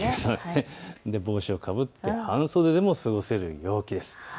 帽子をかぶって半袖でも過ごせる陽気です。